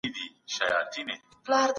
دا ډالۍ باید خوندي وساتل سي.